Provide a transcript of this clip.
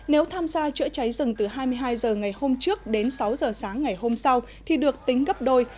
nếu tham gia chữa cháy rừng từ hai mươi hai h ngày hôm trước đến sáu h sáng ngày hôm sau thì được tính gấp đôi